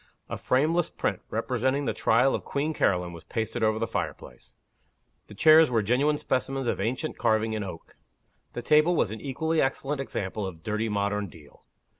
A frameless print, representing the Trial of Queen Caroline, was pasted over the fireplace. The chairs were genuine specimens of ancient carving in oak. The table was an equally excellent example of dirty modern deal.